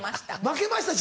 「負けました」